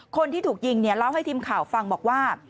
คนที่ถูกยิงเนี่ยเล่าให้ทีมข่าวฟังบอกว่า